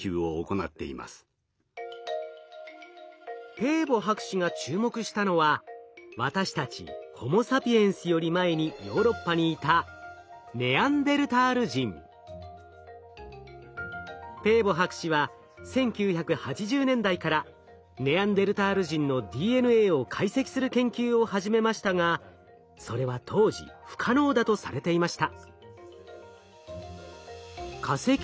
ペーボ博士が注目したのは私たちホモ・サピエンスより前にヨーロッパにいたペーボ博士は１９８０年代からネアンデルタール人のＤＮＡを解析する研究を始めましたがそれは当時不可能だとされていました。